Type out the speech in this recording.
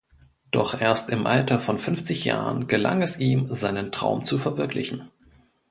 Doch erst im Alter von fünfzig Jahren gelang es ihm, seinen Traum zu verwirklichen.